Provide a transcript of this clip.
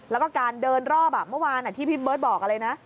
แล้วก็การเดินรอบเมื่อวานที่พี่เบิร์ตบอกอะไรนะ